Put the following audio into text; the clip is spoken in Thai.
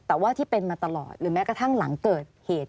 แต่ว่าที่เป็นมาตลอดหรือแม้กระทั่งหลังเกิดเหตุ